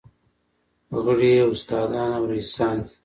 غړي یې استادان او رییسان دي.